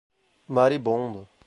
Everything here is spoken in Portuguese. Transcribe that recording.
Maribondo